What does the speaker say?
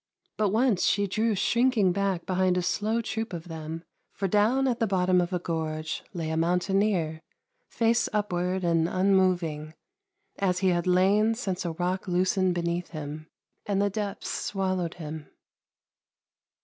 But once she drew shrinking back behind a slow troop of them, for down at the bottom of a gorge lay a mountaineer, face up ward and unmoving, as he had lain since a rock loos ened beneath him, and the depths swallowed him.